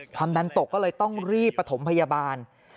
ความดันตกก็เลยต้องรีบประถมพยาบาล